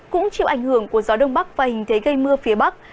cũng chịu ảnh hưởng của gió đông bắc và hình thế gây mưa phía bắc